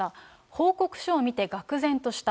報告書を見てがく然とした。